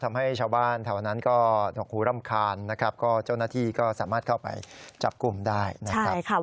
ทำให้ชาวบ้านแถวนั้นก็ตกหูรำคาญนะครับก็เจ้าหน้าที่ก็สามารถเข้าไปจับกลุ่มได้นะครับ